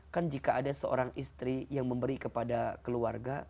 kan jika ada seorang istri yang memberi kepada keluarga